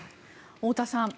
太田さん